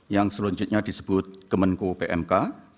yang selanjutnya disebut kemenko pmk